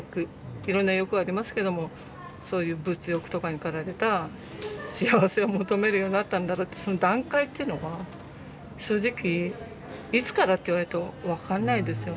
いろんな欲ありますけどもそういう物欲とかに駆られた幸せを求めるようになったんだろうってその段階っていうのが正直いつからって言われると分かんないですよね